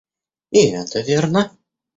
И это верно.